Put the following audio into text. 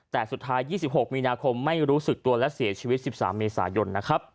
แต่สุดท้าย๒๖มีนาคมไม่รู้สึกตัวและเสียชีวิต๑๓เมษายนนะครับ